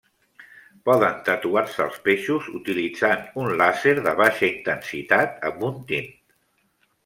Poden tatuar-se els peixos utilitzant un làser de baixa intensitat amb un tint.